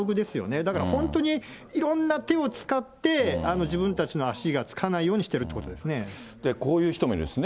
だから本当に、いろんな手を使って、自分たちの足がつかないようこういう人もいるんですね。